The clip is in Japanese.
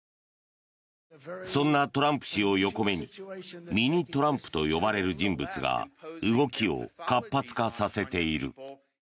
そんなトランプ氏を横目にミニトランプと呼ばれる人物が動きを活発化させている。